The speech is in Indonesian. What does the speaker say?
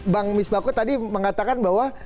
bang mies bakun tadi mengatakan bahwa